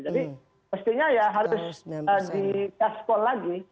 jadi mestinya ya harus di task pole lagi